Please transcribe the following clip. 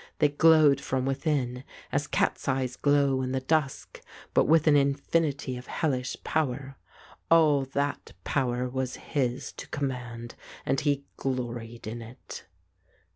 They glowed from within, as cats' eyes glow in the dusk, but with an infinity of hellish power. All that power was his to command, and he gloried in it.